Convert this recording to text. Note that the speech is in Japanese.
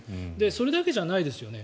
それだけじゃないですよね。